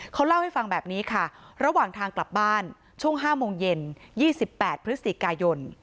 เขาเล่าให้ฟังแบบนี้ค่ะระหว่างทางกลับบ้านช่วง๕โมงเย็น๒๘พฤศจิกายน